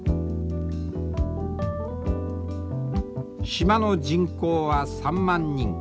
島の人口は３万人。